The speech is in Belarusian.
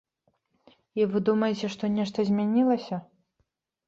І вы думаеце, што нешта змянілася?